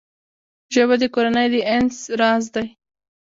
ژبه د کورنۍ د انس راز دی